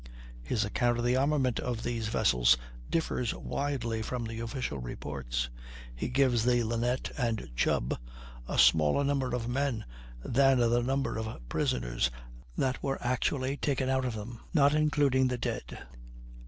His account of the armament of these vessels differs widely from the official reports. He gives the Linnet and Chubb a smaller number of men than the number of prisoners that were actually taken out of them, not including the dead.